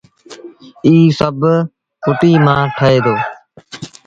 ايٚ سڀ ڦُٽيٚ مآݩ ٺهي دو